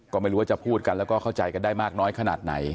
ก็ไม่รู้ว่าจะพูดกันแล้วก็เข้าใจกันได้มากน้อยขนาดไหน